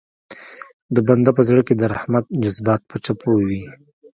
د بنده په زړه کې د رحمت جذبات په څپو وي.